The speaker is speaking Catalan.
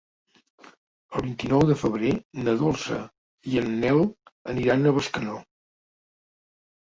El vint-i-nou de febrer na Dolça i en Nel aniran a Bescanó.